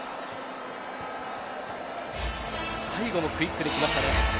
最後もクイックできましたね。